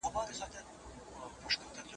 د اخلاقو پیاوړتیا د زورواکۍ مخه نیسي.